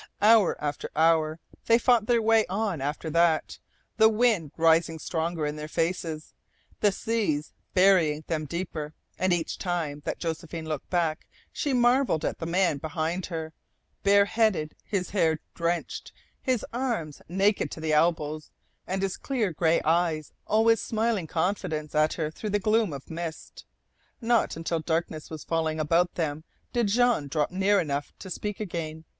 Hour after hour they fought their way on after that, the wind rising stronger in their faces, the seas burying them deeper; and each time that Josephine looked back she marvelled at the man behind her, bare headed, his hair drenched, his arms naked to the elbows, and his clear gray eyes always smiling confidence at her through the gloom of mist. Not until darkness was falling about them did Jean drop near enough to speak again.